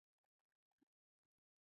هغه د مالیاتو ورکول بند کړي وه.